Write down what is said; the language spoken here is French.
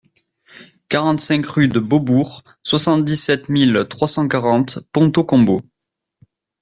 quarante-cinq rue de Beaubourg, soixante-dix-sept mille trois cent quarante Pontault-Combault